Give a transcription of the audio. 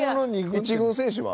１軍選手は？